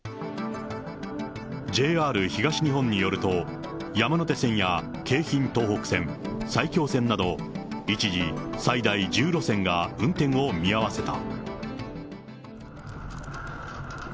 ＪＲ東日本によると、山手線や京浜東北線、埼京線など、一時、最大１０路線が運転を見合わせた。